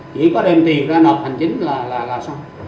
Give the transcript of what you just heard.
chỉ có đem tiền ra nộp hành chính là xong